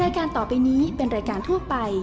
รายการต่อไปนี้เป็นรายการทั่วไป